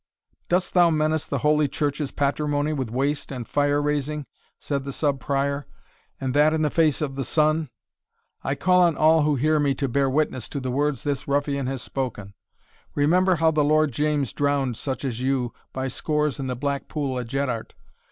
"Dost thou menace the Holy Church's patrimony with waste and fire raising," said the Sub Prior, "and that in the face of the sun? I call on all who hear me to bear witness to the words this ruffian has spoken. Remember how the Lord James drowned such as you by scores in the black pool at Jeddart.